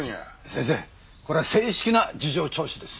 先生これは正式な事情聴取です。